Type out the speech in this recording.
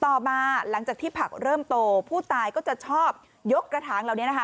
ต่อมาหลังจากที่ผักเริ่มโตผู้ตายก็จะชอบยกกระถางเหล่านี้นะคะ